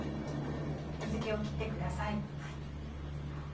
水気を切ってください。